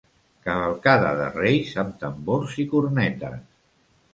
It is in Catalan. Cavalcada de Reis amb tambors i cornetes.